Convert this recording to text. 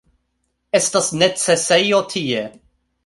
Estas necesejo tie